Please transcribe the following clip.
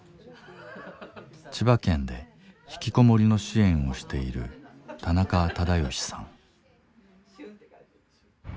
千葉県でひきこもりの支援をしている田中君さん。